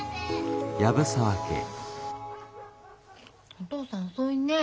お父さん遅いねえ。